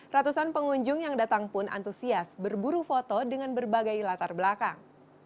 ratusan pengunjung yang datang pun antusias berburu foto dengan berbagai latar belakang